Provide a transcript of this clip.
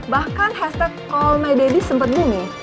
bahkan hashtag call my daddy sempet bumi